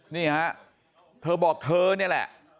นี่ฮะเธอบอกเธอนี่แหละ